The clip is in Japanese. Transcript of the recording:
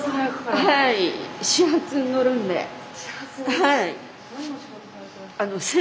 はい。